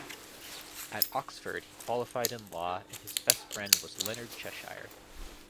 At Oxford he qualified in Law and his best friend was Leonard Cheshire.